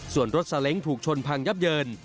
ส่วนรถสาเล้งถูกชนพังยับเยิน